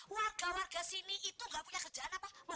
warga warga sini itu gak punya kerjaan apa